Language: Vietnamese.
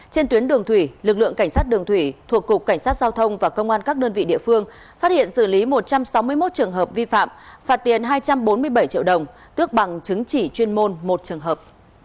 trên tuyến đường thủy lực lượng cảnh sát đường thủy thuộc cục cảnh sát giao thông và công an các đơn vị địa phương phát hiện xử lý một trăm sáu mươi một trường hợp vi phạm phạt tiền hai trăm bốn mươi bảy triệu đồng tước bằng chứng chỉ chuyên môn một trường hợp